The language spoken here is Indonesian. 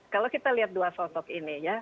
kalau kita lihat dua sosok ini ya